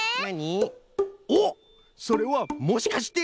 おっそれはもしかして。